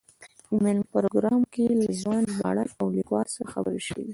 د مېلمه پروګرام کې له ځوان ژباړن او لیکوال سره خبرې شوې دي.